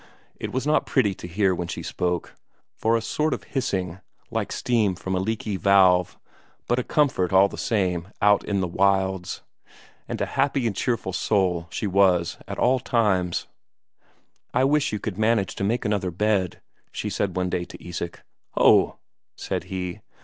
It was not pretty to hear when she spoke, for a sort of hissing, like steam from a leaky valve, but a comfort all the same out in the wilds. And a happy and cheerful soul she was at all times. "I wish you could manage to make another bed," she said to Isak one day. "Ho!" said he.